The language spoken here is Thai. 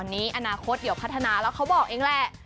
อันนี้อนาคตเดี๋ยวพัฒนาแล้วเขาบอกเองแหละ